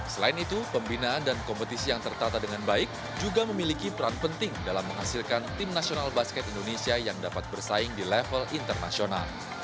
selain itu pembinaan dan kompetisi yang tertata dengan baik juga memiliki peran penting dalam menghasilkan tim nasional basket indonesia yang dapat bersaing di level internasional